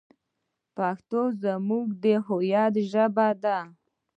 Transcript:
پښتو زموږ د هویت ژبه ده.